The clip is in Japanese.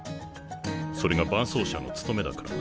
それが伴走者の務めだからな。